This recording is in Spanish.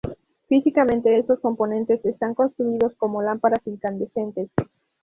Físicamente, estos componentes están construidos como lámparas incandescentes.